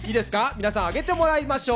皆さん上げてもらいましょう。